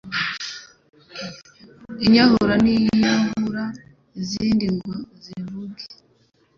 Inyahura ni Yahura izindi ngo zivuge ,